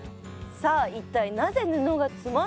さあ一体なぜ布が詰まっているのか？